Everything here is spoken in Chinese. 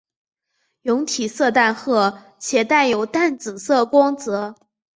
蛹体色淡褐且带有淡紫色光泽。